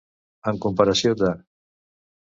En comparació de.